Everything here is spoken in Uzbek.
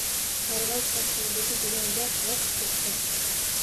Parvoz xavfsizligi degan gap g'irt cho'pchak